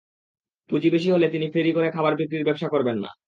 পুঁজি বেশি হলে তিনি ফেরি করে খাবার বিক্রির ব্যবসা করবেন না।